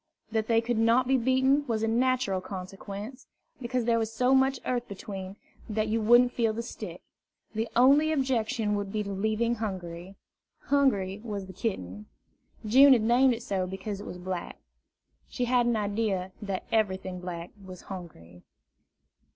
That they could not be beaten was a natural consequence, because there was so much earth between, that you wouldn't feel the stick. The only objection would be leaving Hungry. Hungry was the kitten. June had named it so because it was black. She had an idea that everything black was hungry.